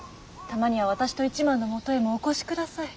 たまには私と一幡のもとへもお越しください。